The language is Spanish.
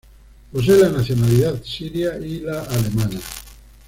Posee la nacionalidad siria y la alemana.